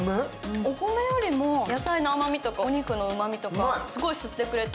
お米よりも野菜の甘みとかお肉のうまみとか、すごい吸ってくれて。